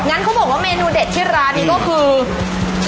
งั้นเขาบอกว่าเมนูเด็ดที่ร้านนี้ก็คือ